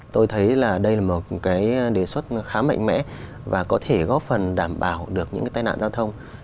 tôi thấy là đây là một cái đề xuất khá mạnh mẽ và có thể góp phần đảm bảo được những cái tai nạn giao thông